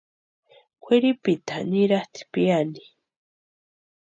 Kwʼiripita niratʼi piani.